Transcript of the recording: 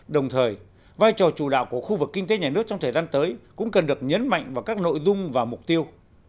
đồng thời vai trò chủ đạo của khu vực kinh tế nhà nước trong thời gian tới cũng cần được nhấn mạnh vào các nội dung và mục tiêu